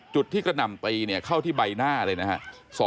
จุดที่กระหน่ำตีเนี่ยเข้าที่ใบหน้าเลยนะครับ